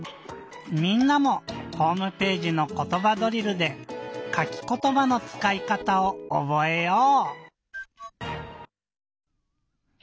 みんなもホームページの「ことばドリル」で「かきことば」のつかいかたをおぼえよう！